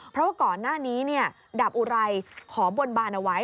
เพราะว่าก่อนหน้านี้ดาบอุไรขอบนบานเอาไว้